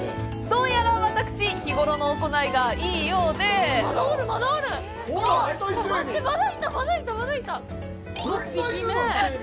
どうやら私日頃の行いがいいようでまだおる、まだおる。